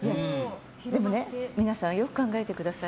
でもね、皆さんよく考えてください。